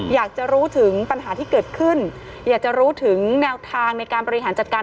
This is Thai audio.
อยากจะรู้ถึงปัญหาที่เกิดขึ้นอยากจะรู้ถึงแนวทางในการบริหารจัดการ